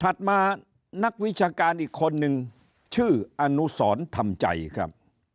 มานักวิชาการอีกคนนึงชื่ออนุสรทำใจครับ